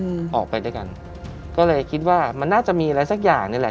อืมออกไปด้วยกันก็เลยคิดว่ามันน่าจะมีอะไรสักอย่างนี่แหละ